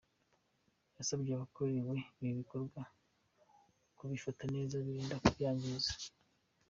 Yasabye abakorewe ibi bikorwa kubifata neza birinda kubyangiza.